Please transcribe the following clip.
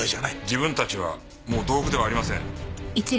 自分たちはもう道具ではありません。